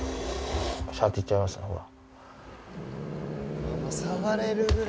シャって言っちゃいましたねほら。